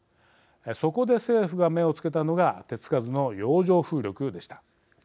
そこで政府が目をつけたのが手つかずの洋上風力でした。